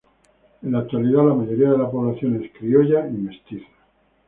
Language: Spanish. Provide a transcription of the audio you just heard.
En la actualidad la mayoría de su población es criolla y mestiza.